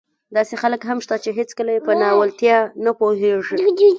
داسې خلک هم شته چې هېڅکله يې په ناولتیا نه پوهېږي.